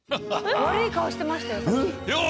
悪い顔してましたよ